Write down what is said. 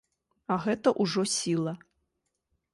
А гэта ўжо сіла.